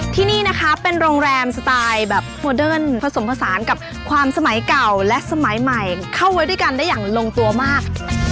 ที่นี่นะคะเป็นโรงแรมสไตล์แบบโมเดิร์นผสมผสานกับความสมัยเก่าและสมัยใหม่เข้าไว้ด้วยกันได้อย่างลงตัวมาก